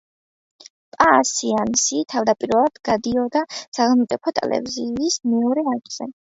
პა სეანსი თავდაპირველად გადიოდა სახელმწიფო ტელევიზიის მეორე არხზე.